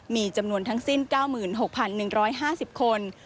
มีจำนวนทั้งสิ้น๙๖๑๕๐คน